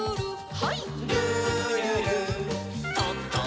はい。